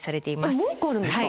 もう一個あるんですか？